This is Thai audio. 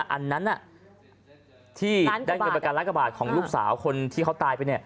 อันนั้นที่ได้เงินประกันล้านกว่าบาทของลูกสาวคนที่เขาตายไป